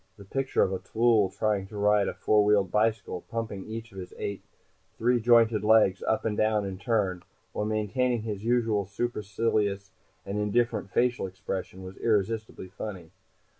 The picture of a tllooll trying to ride a four wheeled bicycle, pumping each of his eight three jointed legs up and down in turn, while maintaining his usual supercilious and indifferent facial expression, was irresistibly funny.